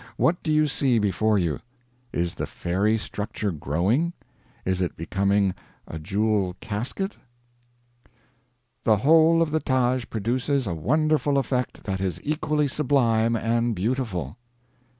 What do you see before you? Is the fairy structure growing? Is it becoming a jewel casket? "The whole of the Taj produces a wonderful effect that is equally sublime and beautiful."